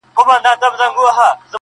مهم حرکت او ادامه ده